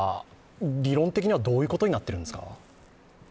理論的にはどういうことになっているんですか？